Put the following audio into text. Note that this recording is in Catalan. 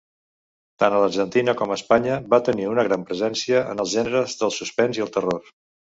Tant a l'Argentina com a Espanya, va tenir una gran presència en els gèneres del suspens i el terror.